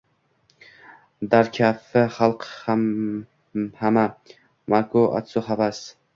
Dar kafi xalq hama makru astu havas